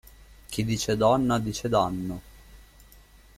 Chi dice donna, dice danno.